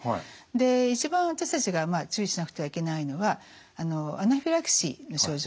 一番私たちが注意しなくてはいけないのはアナフィラキシーの症状